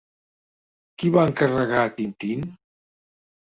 Qui va encarregar Tintín?